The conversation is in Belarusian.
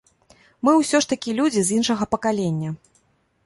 Мы ўсё ж такі людзі з іншага пакалення.